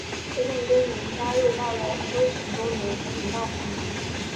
这项功能加入到了搜寻功能和频道功能。